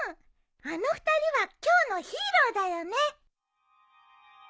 あの２人は今日のヒーローだよね。